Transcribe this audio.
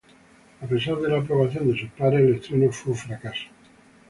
A pesar de la aprobación de sus pares, el estreno fue un fracaso.